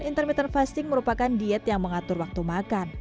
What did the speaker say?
intermittent fasting merupakan diet yang mengatur waktu makan